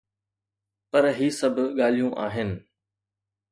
پر هي سڀ ڳالهيون آهن.